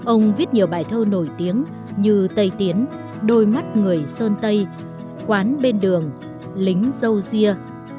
ông viết nhiều bài thơ nổi tiếng như tây tiến đôi mắt người sơn tây quán bên đường lính dâu ria